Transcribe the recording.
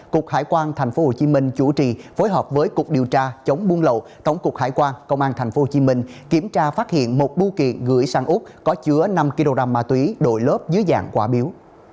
cục hải quan tp hcm chủ trì phối hợp với cục điều tra chống buôn lậu tổng cục hải quan công an tp hcm kiểm tra phát hiện một bưu kiện gửi sang úc có chứa năm kg ma túy đội lớp dưới dạng quả biếu